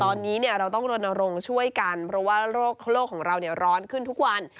ตอนนี้เราต้องรณรงค์ช่วยกันเพราะว่าโลกของเราร้อนขึ้นทุกวัน